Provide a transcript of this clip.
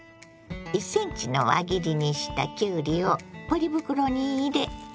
１ｃｍの輪切りにしたきゅうりをポリ袋に入れ